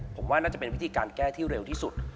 ผมว่าน่าจะเป็นวิธีการแก้ที่เร็วที่สุด